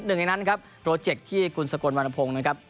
หนึ่งในนั้นครับโปรเจคที่คุณสกลวรรณพงศ์นะครับ